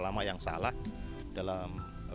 lama yang salah dalam